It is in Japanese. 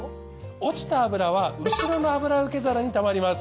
落ちた油は後ろの油受け皿にたまります。